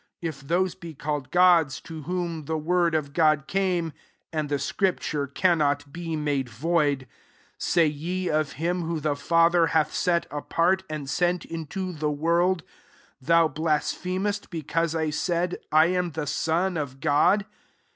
35 If those be called gods, to whom the word of God came, (and the scripture cannot be made void ;) 36 say ye of him, whom the Fa ther hath set apart,t and sent into the world, • Thou blasphe mest :' because I said, ^ I am the son of God